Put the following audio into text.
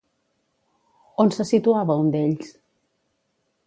On se situava un d'ells?